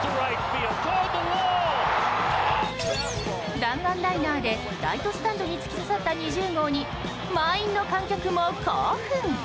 弾丸ライナーでライトスタンドに突き刺さった２０号に満員の観客も興奮。